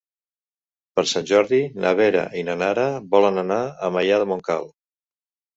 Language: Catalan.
Per Sant Jordi na Vera i na Nara volen anar a Maià de Montcal.